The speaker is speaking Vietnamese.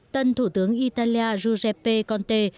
tân thủ tướng italia giuseppe conte